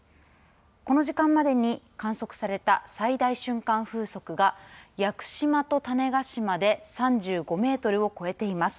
この時間までに観測された最大瞬間風速が屋久島と種子島で３５メートルを超えています。